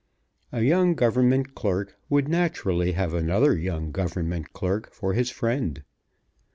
A young Government clerk would naturally have another young Government clerk for his friend.